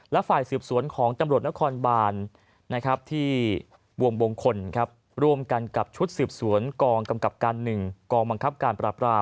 และฝ่ายสืบสวนของจำรวจนครบานที่ร่วมกันกับชุดสืบสวนกองบังคับการ๑